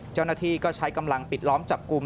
เจ้าหน้าที่ก็ใช้กำลังปิดล้อมจับกลุ่ม